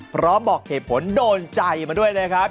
บอกเหตุผลโดนใจมาด้วยนะครับ